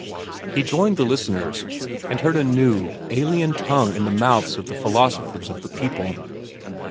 He joined the listeners, and heard a new, alien tongue in the mouths of the philosophers of the people.